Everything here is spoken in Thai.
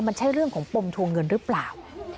มันใช่เรื่องของปมทวงเงินหรือเปล่า